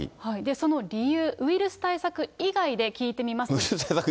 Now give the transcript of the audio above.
その理由、ウイルス対策以外で聞いてみました。